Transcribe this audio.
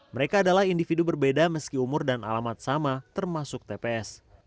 mereka adalah individu berbeda meski umur dan alamat sama termasuk tps